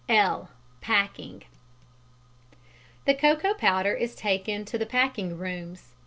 (l) Packing. The cocoa powder is taken to the packing rooms.